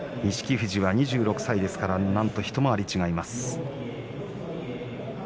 富士は２６歳なんと一回り違います。